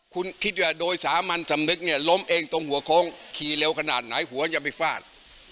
คุณคิดว่าโดยสามัญสำนึกเนี่ยล้มเองตรงหัวโค้งขี่เร็วขนาดไหนหัวจะไปฟาด